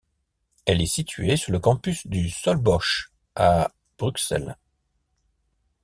Elle est située sur le campus du Solbosch, à Bruxelles.